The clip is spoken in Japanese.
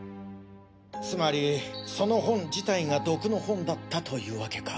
つまりその本自体が毒の本だったというわけか。